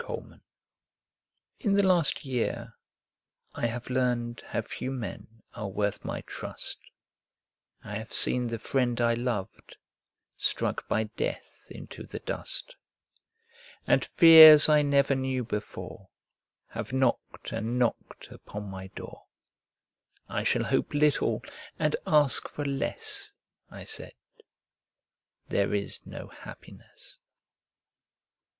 Red Maples In the last year I have learned How few men are worth my trust; I have seen the friend I loved Struck by death into the dust, And fears I never knew before Have knocked and knocked upon my door "I shall hope little and ask for less," I said, "There is no happiness."